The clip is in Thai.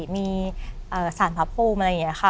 มีสารพระภูมิอะไรอย่างนี้ค่ะ